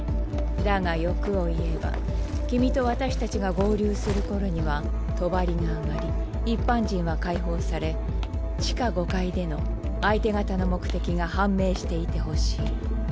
だが欲を言えば君と私たちが合流する頃には帳が上がり一般人は解放され地下５階での相手方の目的が判明していてほしい。